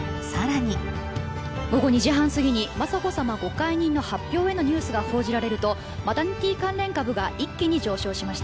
午後２時半すぎに雅子さまご懐妊の発表へのニュースが報じられるとマタニティー関連株が一気に上昇しました。